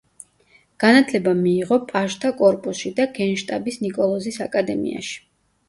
განათლება მიიღო პაჟთა კორპუსში და გენშტაბის ნიკოლოზის აკადემიაში.